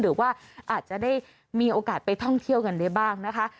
หรือว่าอาจจะได้มีโอกาสไปท่องเที่ยวกันได้บ้างนะคะ